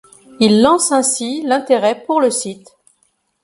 Il lance ainsi l'intérêt pour le site.